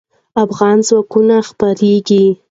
افغان ځواکونه خپرېږي.